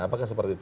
apakah seperti itu